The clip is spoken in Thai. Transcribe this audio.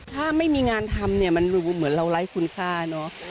ถ้าไม่มีงานทำเนี่ยมันดูเหมือนเราไร้คุณค่าเนอะ